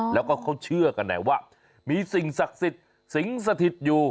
แล้วก็เขาเชื่อกันแหละว่ามีสิ่งศักดิ์สิงศถิษฐ์อยู่